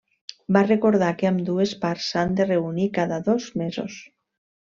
Va recordar que ambdues parts s'han de reunir cada dos mesos.